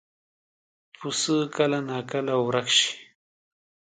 پسه کله ناکله ورک شي.